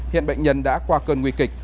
hiện bệnh nhân đã qua cơn nguy kịch